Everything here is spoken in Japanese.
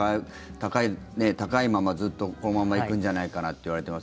高いまま、ずっとこのまま行くんじゃないかなっていわれてます。